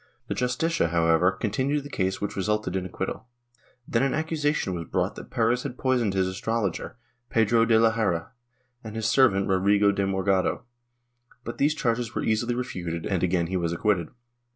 The Justicia, however, continued the case which resulted in acquittal. Then an accusation was brought that Perez had poisoned his astrologer, Pedro de la Hera, and his servant Rodrigo de Morgado, but these charges were easily refuted and again he was acquitted.